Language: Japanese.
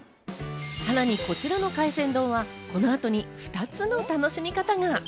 さらにこちらの海鮮丼はこの後に２つの楽しみ方が。